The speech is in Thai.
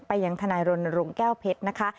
ไปยังธนายรนด์หลวงแก้วเพชรนะคะ